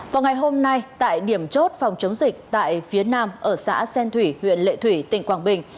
vào ngày hôm nay tại điểm chốt phòng chống dịch tại phía nam ở xã xen thủy huyện lệ thủy tỉnh quảng bình